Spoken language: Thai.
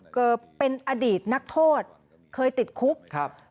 เกิดเป็นอดีตนักโทษเคยติดคุกครับ